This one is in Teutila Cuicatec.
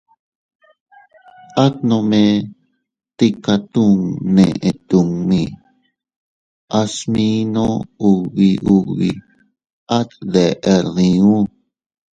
At nome tika tun neʼe tummi, a sminoo ubi ubi, at deʼer diu.